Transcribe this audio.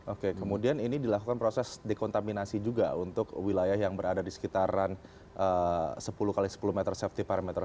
oke kemudian ini dilakukan proses dekontaminasi juga untuk wilayah yang berada di sekitaran sepuluh x sepuluh meter safety parameter